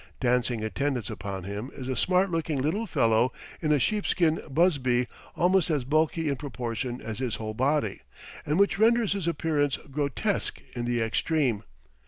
Dancing attendance upon him is a smart looking little fellow in a sheepskin busby almost as bulky in proportion as his whole body, and which renders his appearance grotesque in the extreme.